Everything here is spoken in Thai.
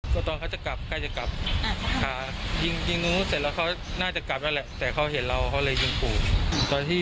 ก็ตอนเขาจะกลับใกล้จะกลับค่ะยิงนู้นเสร็จแล้วเขาน่าจะกลับแล้วแหละ